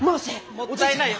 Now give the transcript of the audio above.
もったいないよ。